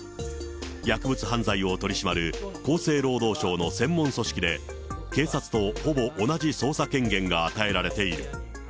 薬物犯罪を取り締まる厚生労働省の専門組織で、警察とほぼ同じ捜査権限が与えられている。